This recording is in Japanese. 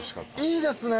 いいですね